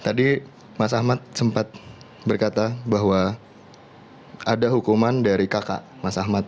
tadi mas ahmad sempat berkata bahwa ada hukuman dari kakak mas ahmad